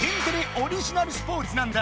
オリジナルスポーツなんだ！